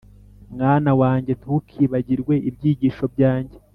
mwana wanjye ntukibagirwe ibyigisho byanjye,